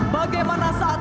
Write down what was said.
bagaimana saat berangkat